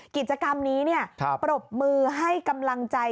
กิจกรรมนี้ปรบมือให้กำลังใจ